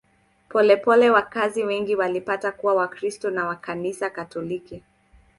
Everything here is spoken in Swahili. Polepole wakazi wengi walipata kuwa Wakristo wa Kanisa Katoliki.